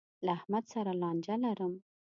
له احمد سره لانجه لرم.